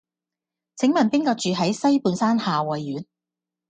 請問邊個住喺西半山夏蕙苑